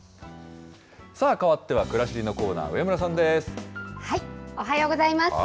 さあ、変わってはくらしりのコーおはようございます。